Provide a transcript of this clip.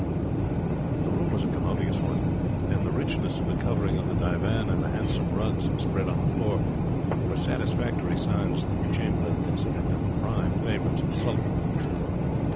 The room was a commodious one, and the richness of the covering of the divan, and the handsome rugs spread on the floor, were satisfactory signs that the chamberlain considered them prime favourites of the sultan.